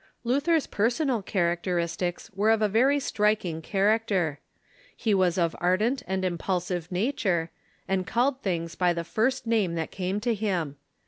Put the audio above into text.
Luther's personal characteristics were of a very striking character. He Avas of ardent and impulsive nature, and called things by the first name that came to him.